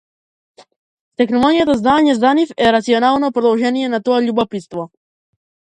Стекнувањето знаење за нив е рационално продолжение на тоа љубопитство.